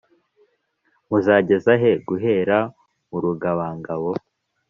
Muzageza he guhera mu rungabangabo